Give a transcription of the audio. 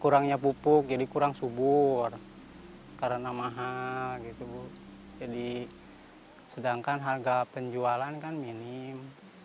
kurangnya pupuk jadi kurang subur karena mahal sedangkan harga penjualan kan minim